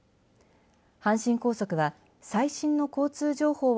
阪神高速は、最新の交通情報を